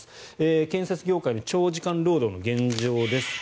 建設業界の長時間労働の現状です。